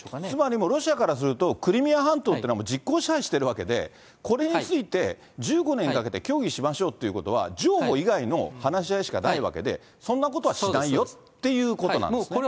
つまりもうロシアからすると、クリミア半島っていうのは実効支配しているわけで、これについて、１５年かけて協議しましょうということは、譲歩以外の話し合いしかないわけで、そんなことはしないよっていうことなんですね。